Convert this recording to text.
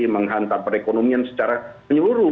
menghantam perekonomian secara menyeluruh